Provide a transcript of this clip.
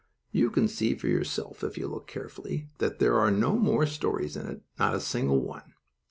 You can see for yourself, if you look carefully, that there are no more stories in it; not a single one.